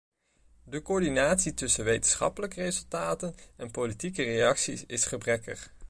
De coördinatie tussen wetenschappelijke resultaten en politieke reacties is gebrekkig.